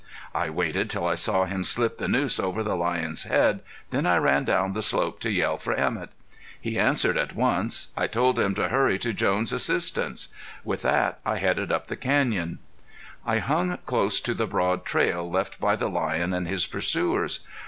I waited till I saw him slip the noose over the lion's head, then I ran down the slope to yell for Emett. He answered at once. I told him to hurry to Jones' assistance. With that I headed up the canyon. I hung close to the broad trail left by the lion and his pursuers.